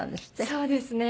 そうですね。